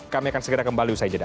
kami akan segera kembali usai jeda